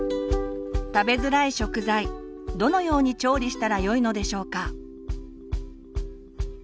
食べづらい食材どのように調理したらよいのでしょうか。